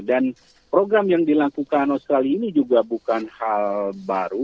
dan program yang dilakukan australia ini juga bukan hal baru